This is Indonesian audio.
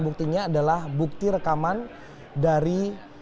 buktinya adalah bukti rekaman dari